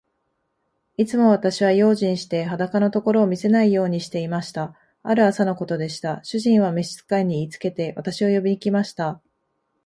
いつも私は用心して、裸のところを見せないようにしていました。ある朝のことでした。主人は召使に言いつけて、私を呼びに来ました。